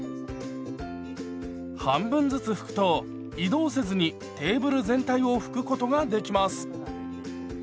半分ずつ拭くと移動せずにテーブル全体を拭くことができます。